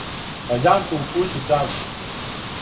Па Јанкову кућу тражи,